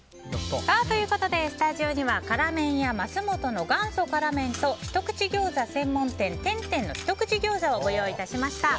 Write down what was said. スタジオには辛麺屋桝元の元祖辛麺とひとくち餃子専門店点天のひとくち餃子をご用意いたしました。